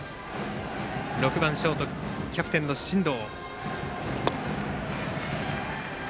６番ショートキャプテンの進藤。